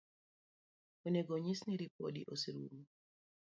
Onego onyis ni ripodi oserumo.